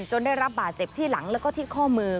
ได้รับบาดเจ็บที่หลังแล้วก็ที่ข้อมือ